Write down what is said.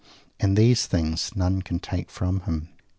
And these things none can take from him.